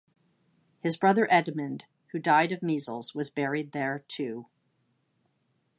His brother Edmund, who died of measles, was buried there too.